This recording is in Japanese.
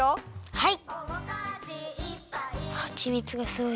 はい！